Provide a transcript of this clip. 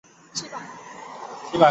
尾鳍及尾柄部有蓝色斑纹。